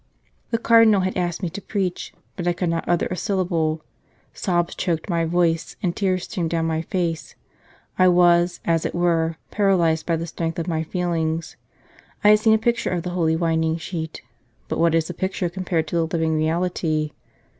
The Cardinal had asked me to preach, but I could not utter a syllable ; sobs choked my voice, and tears streamed down my face. I was, as it were, 163 St. Charles Borromeo paralyzed by the strength of my feelings. I had seen a picture of the Holy Winding Sheet but what is a picture compared to the living reality